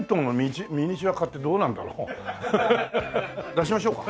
出しましょうか。